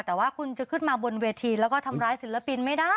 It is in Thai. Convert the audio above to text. แต่ว่าคุณจะขึ้นมาบนเวทีแล้วก็ทำร้ายศิลปินไม่ได้